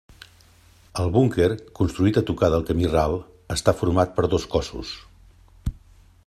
El búnquer, construït a tocar del camí ral, està format per dos cossos.